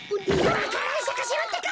わか蘭さかせろってか！